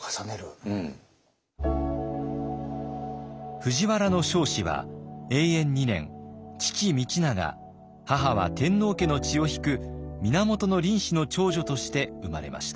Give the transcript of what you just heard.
藤原彰子は永延二年父道長母は天皇家の血を引く源倫子の長女として生まれました。